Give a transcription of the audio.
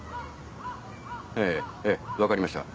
ええええ分かりました。